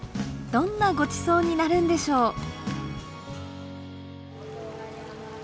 どんなごちそうになるんでしょう。